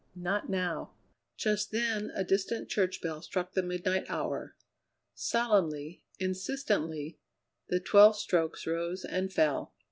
not now!" Just then a distant church bell struck the midnight hour. Solemnly, insistently, the twelve strokes rose and fell.